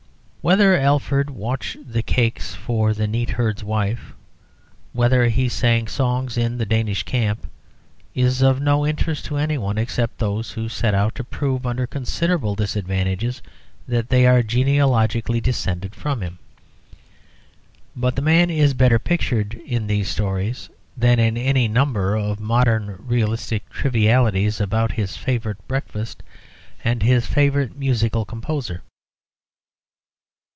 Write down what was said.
Whether Alfred watched the cakes for the neat herd's wife, whether he sang songs in the Danish camp, is of no interest to anyone except those who set out to prove under considerable disadvantages that they are genealogically descended from him. But the man is better pictured in these stories than in any number of modern realistic trivialities about his favourite breakfast and his favourite musical composer.